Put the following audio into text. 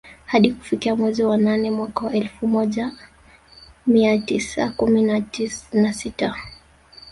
Hadi kufikia mwezi wanane mwaka wa elfu moja amia tisa kumi nasita